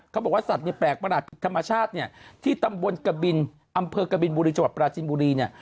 เขาบอกว่าสัตว์เนี่ยแปลกประหลาดผิดธรรมชาติเนี่ยที่ตำบลกบินอำเภอกบินบุรีจังหวัดปราจินบุรีเนี่ย